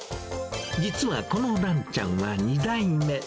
実は、このランちゃんは２代目。